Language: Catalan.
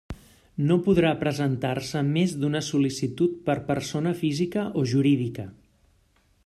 No podrà presentar-se més d'una sol·licitud per persona física o jurídica.